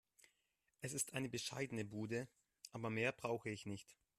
Es ist eine bescheidene Bude, aber mehr brauche ich nicht.